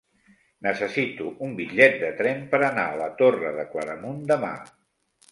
Necessito un bitllet de tren per anar a la Torre de Claramunt demà.